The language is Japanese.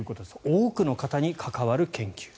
多くの方に関わる研究。